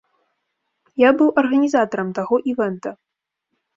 Я быў арганізатарам таго івэнта.